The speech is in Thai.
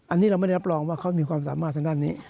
อันนี้เราไม่ได้รับรองว่าเขามีความสามารถทางด้านนี้